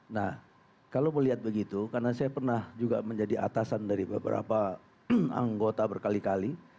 nah kalau melihat begitu karena saya pernah juga menjadi atasan dari beberapa anggota berkali kali